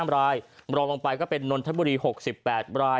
รายรองลงไปก็เป็นนนทบุรี๖๘ราย